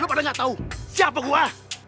lo pada nyatau siapa gue